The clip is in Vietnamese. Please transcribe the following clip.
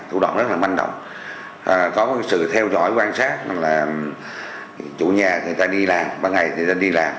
thủ đoạn rất là manh động có sự theo dõi quan sát là chủ nhà người ta đi làm ban ngày người ta đi làm